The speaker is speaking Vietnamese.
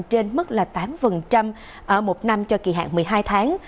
trên mức là tám một năm cho kỳ hạn một mươi hai tháng